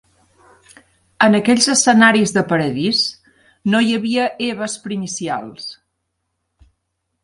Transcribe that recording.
En aquells escenaris de paradís no hi havia Eves primicials